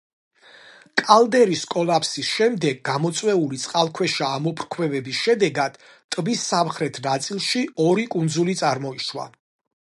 კალდერის კოლაფსის შემდეგ გამოწვეული წყალქვეშა ამოფრქვევების შედეგად ტბის სამხრეთ ნაწილში ორი კუნძული წარმოიშვა.